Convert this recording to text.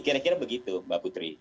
kira kira begitu mbak putri